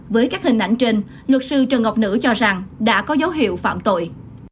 với các hình ảnh trên luật sư trần ngọc nữ cho rằng đã có dấu hiệu phạm tội